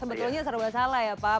sebetulnya saya tidak salah ya pak